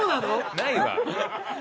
ないわ。